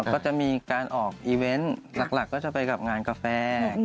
ก็จะมีการออกอีเวนต์หลักก็จะไปกับงานกาแฟ